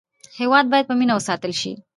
هېواد باید په مینه وساتل شي.